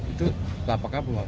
itu lapak apa pak